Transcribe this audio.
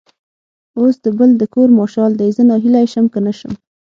اوس د بل د کور مشال دی؛ زه ناهیلی شم که نه شم.